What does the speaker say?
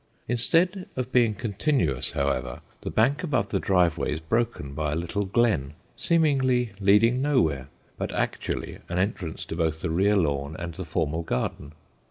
Instead of being continuous, however, the bank above the driveway is broken by a little glen, seemingly leading nowhere, but actually an entrance to both the rear lawn and the formal garden.